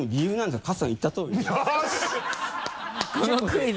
このクイズ。